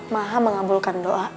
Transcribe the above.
maha mengabulkan doa